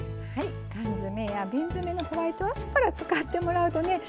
缶詰や瓶詰のホワイトアスパラ使ってもらうとね